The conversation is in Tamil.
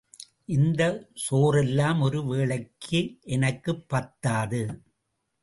இந்தச் சோறெல்லாம் ஒரு வேளைக்கு எனக்கே பத்தாது.